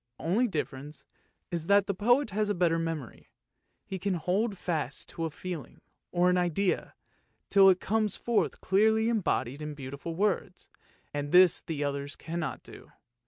The only difference is that the poet has a better memory, he can hold fast to a feeling or an idea till it comes forth clearly embodied in beautiful words, and this the others cannot do.